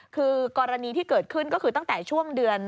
คือกรณีที่เกิดขึ้นก็คือตั้งแต่ช่วงเดือน